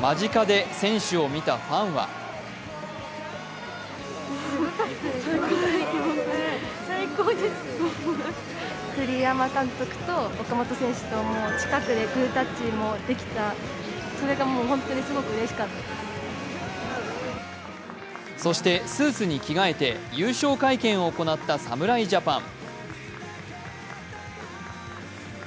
間近で選手を見たファンはそしてスーツに着替えて優勝会見を行った侍ジャパン。